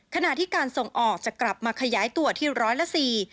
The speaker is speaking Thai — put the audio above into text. ขณะที่การส่งออกจะกลับมาขยายตัวที่ร้อยละสี่